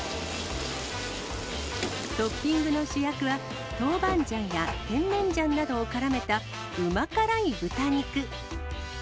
トッピングの主役は、トウバンジャンやテンメンジャンなどをからめた、うまからい豚肉。